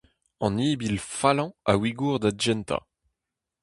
An ibil fallañ a wigour da gentañ.